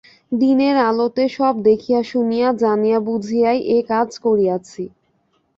দিনের আলোতে সব দেখিয়া-শুনিয়া জানিয়া-বুঝিয়াই এ কাজ করিয়াছি।